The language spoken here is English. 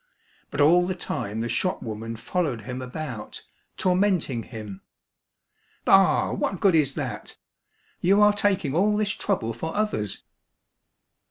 But all the time the shopwoman fol lowed him about, tormenting him :" Bah ! what good is that? — You are taking all this trouble for others